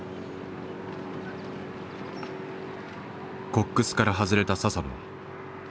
コックスから外れた佐々野。